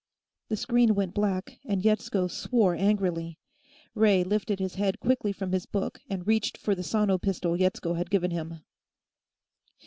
The screen went black, and Yetsko swore angrily. Ray lifted his head quickly from his book and reached for the sono pistol Yetsko had given him.